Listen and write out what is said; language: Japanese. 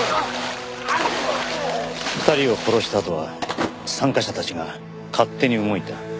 ２人を殺したあとは参加者たちが勝手に動いた。